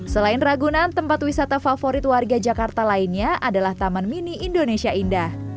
selain ragunan tempat wisata favorit warga jakarta lainnya adalah taman mini indonesia indah